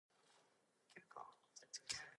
The show is airing on National Geographic Wild.